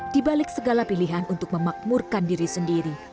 dibalik segala pilihan untuk memakmurkan diri sendiri